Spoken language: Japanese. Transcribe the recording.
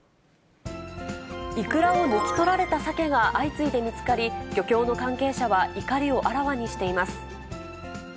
イクラを抜き取られたサケが相次いで見つかり、漁協の関係者は怒りをあらわにしています。